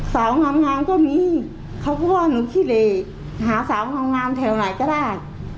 สาวงามก็มีเขาก็ว่าหนูขี้เหลหาสาวงามแถวไหนก็ได้